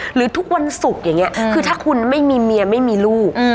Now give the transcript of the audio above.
หรือทุกวันศุกร์อย่างนี้คือถ้าคุณไม่มีเมียไม่มีลูก